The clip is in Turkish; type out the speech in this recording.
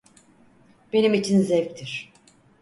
Benim için zevktir.